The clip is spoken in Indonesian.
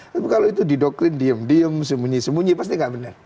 tapi kalau itu didoktrin diem diem sembunyi sembunyi pasti nggak benar